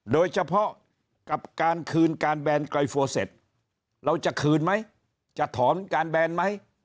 โดยเฉพาะกับการคืนการแบนไกรโฟเสร็จเราจะคืนไหมจะถอนการแบนไหม